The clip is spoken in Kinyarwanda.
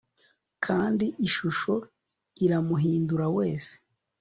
Kandi ishusho iramuhindura wese